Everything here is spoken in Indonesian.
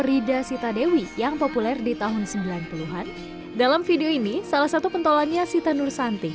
rida sita dewi yang populer di tahun sembilan puluh an dalam video ini salah satu pentolannya sita nursanti